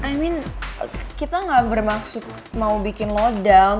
i mean kita gak bermaksud mau bikin loadang